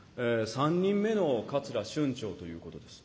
３人目の桂春蝶ということです。